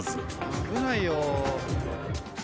危ないよ。